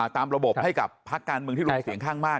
ตามระบบให้กับพักการเมืองที่ลงเสียงข้างมาก